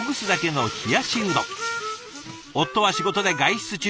夫は仕事で外出中。